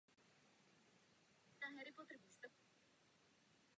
Byla zavlečena do přírody Nového Zélandu.